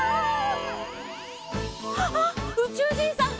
「あ、宇宙人さん